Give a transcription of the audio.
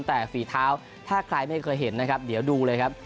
แต่ฝีเท้าถ้าใครไม่เคยเห็นนะครับเดี๋ยวดูเลยครับ